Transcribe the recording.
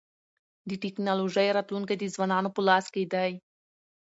د ټکنالوژی راتلونکی د ځوانانو په لاس کي دی.